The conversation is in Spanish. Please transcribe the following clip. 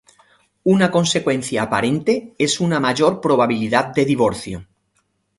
Una consecuencia aparente es una mayor probabilidad de divorcio.